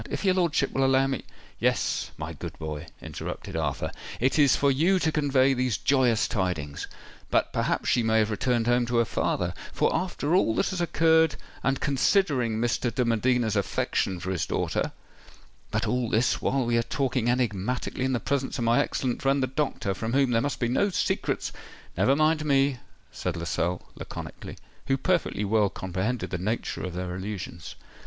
"If your lordship will allow me——" "Yes, my good boy," interrupted Arthur. "It is for you to convey these joyous tidings. But perhaps she may have returned home to her father—for, after all that has occurred, and considering Mr. de Medina's affection for his daughter——But all this while we are talking enigmatically in the presence of my excellent friend the doctor, from whom there must be no secrets——" "Never mind me," said Lascelles laconically, who perfectly well comprehended the nature of their allusions.